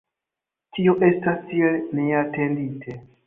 Tio estas tiel neatendite.